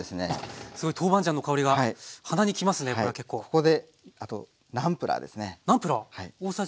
ここであとナンプラーですね。